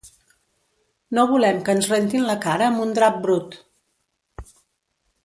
No volem que ens rentin la cara amb un drap brut.